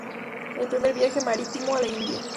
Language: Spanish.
El primer viaje marítimo a la India".